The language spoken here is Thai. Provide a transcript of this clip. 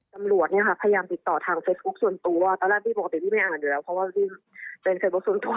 จำลวดพยายามติดต่อทางเฟซบุ๊คส่วนตัว